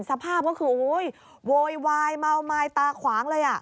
สภาพก็คือโหยโวยวายมาวมายตาขวางเลย